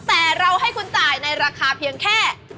แต่เราให้คุณจ่ายในราคาเพียงแค่